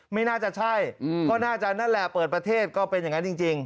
ไม่น่าจะใช่ก็น่าจะนั่นแหละเปิดประเทศก็เป็นอย่างนั้นจริง